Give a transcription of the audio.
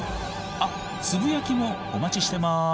あっつぶやきもお待ちしてます。